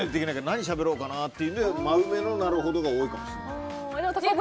何しゃべろうかなってうわべのなるほどが多いかもしれない。